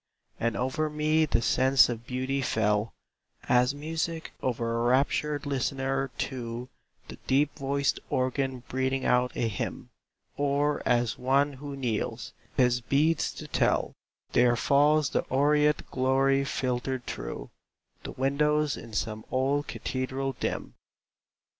And over me the sense of beauty fell, As music over a raptured listener to The deep voiced organ breathing out a hymn; Or as on one who kneels, his beads to tell, There falls the aureate glory filtered through The windows in some old cathedral dim.